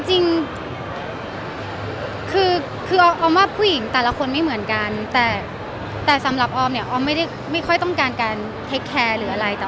จริงคือออมว่าผู้หญิงแต่ละคนไม่เหมือนกันแต่สำหรับออมเนี่ยออมไม่ได้ไม่ค่อยต้องการการเทคแคร์หรืออะไร